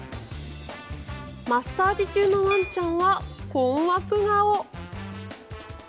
マッサージ中のワンちゃんは困惑顔。